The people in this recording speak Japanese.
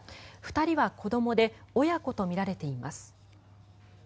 ２人は子どもで親子とみられています。